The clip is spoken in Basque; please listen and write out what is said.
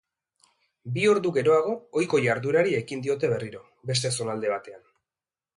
Bi ordu geroago ohiko jarduerari ekin diote berriro, beste zonalde batean.